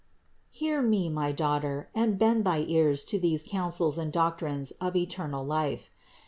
Hear me, my daughter, and bend thy ears to these counsels and doctrines of eternal life.